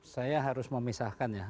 saya harus memisahkan ya